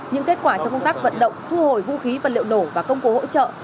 những kết quả trong công tác vận động thu hồi vũ khí vật liệu nổ và công cụ hỗ trợ